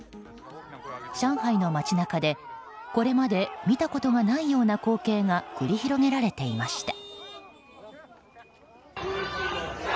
上海の街中でこれまで見たことがないような光景が繰り広げられていました。